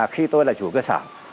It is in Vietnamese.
khi tôi là chủ cơ sở